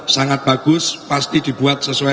sangat bagus pasti dibuat sesuai